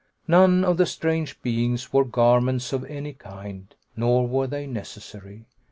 None of the strange beings wore garments of any kind, nor were they necessary.